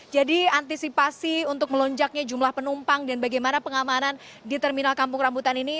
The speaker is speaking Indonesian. jadi antisipasi untuk melonjaknya jumlah penumpang dan bagaimana pengamanan di terminal kampung rambutan ini